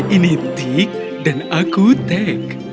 ini tik dan aku tek